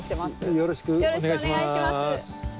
よろしくお願いします。